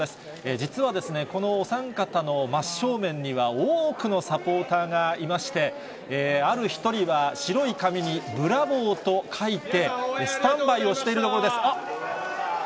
実はこのお三方の真っ正面には、多くのサポーターがいまして、ある１人は、白い紙にブラボーと書いて、スタンバイをしているところです。